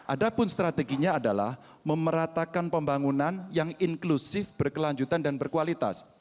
ada pun strateginya adalah memeratakan pembangunan yang inklusif berkelanjutan dan berkualitas